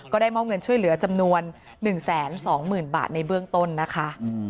ก็ได้มอบเงินช่วยเหลือจำนวน๑๒๐๐๐บาทในเบื้องต้นนะคะ